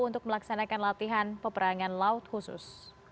untuk melaksanakan latihan peperangan laut khusus